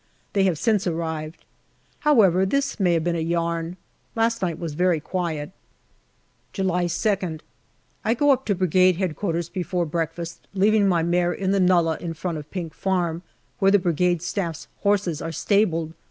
They have since arrived. However, this may have been a yarn. Last night was very quiet. July 2nd. I go up to Brigade H.Q. before breakfast, leaving my mare in the nullah in front of Pink Farm, where the Brigade Staff's horses are stabled.